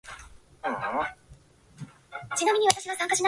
"What's the time," he says, "to eternity?"